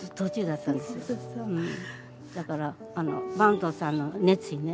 だから坂東さんの熱意ね